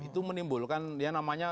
itu menimbulkan yang namanya